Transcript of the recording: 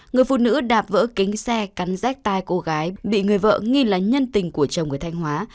người phụ nữ đạp vỡ kính xe cắn rách tay cô gái bị người vợ nghi là nhân tình của chồng ở thanh hóa